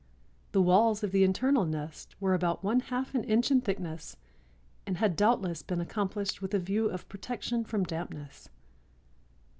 The walls of the internal nest were about one half an inch in thickness and had doubtless been accomplished with a view of protection from dampness."